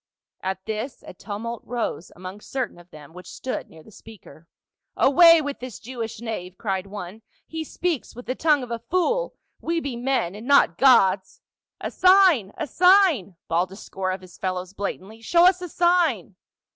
At this a tumult arose among certain of them which stood near the speaker. "Away with this Jewish knave !" cried one. " He speaks with the tongue of a fool ; we be men and not gods !" "A sign ! a sign !" bawled a score of his fellows blatantly. "Show us a sign